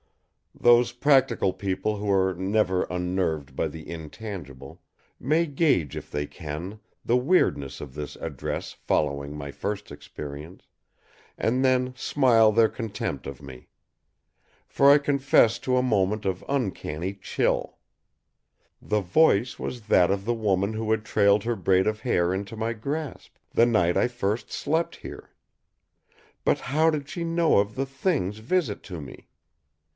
Those practical people who are never unnerved by the intangible, may gauge if they can the weirdness of this address following my first experience, and then smile their contempt of me. For I confess to a moment of uncanny chill. The voice was that of the woman who had trailed her braid of hair into my grasp, the night I first slept here. But, how did she know of the Thing's visit to me?